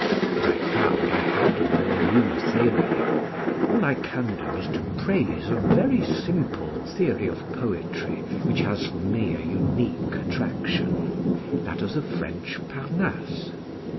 But I found I had no new theory. All I can do is to praise a very simple theory of poetry which has for me a unique attrac tion that of the French " Parnasse."